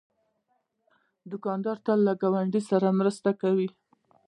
دوکاندار تل له ګاونډیانو سره مرسته کوي.